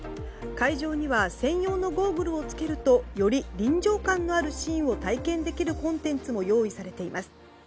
会場には専用のゴーグルを着けるとより臨場感があるシーンを体験できるコンテンツも用意されています。